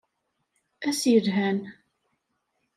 Ass yelhan.